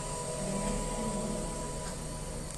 Les mecs fulminent.